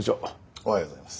おはようございます。